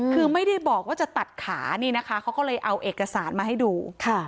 คือไม่ได้บอกว่าจะตัดขานี่นะคะเขาก็เลยเอาเอกสารมาให้ดู